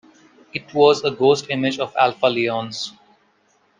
It was a ghost image of Alpha Leonis.